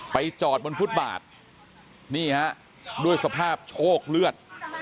จอดบนฟุตบาทนี่ฮะด้วยสภาพโชคเลือด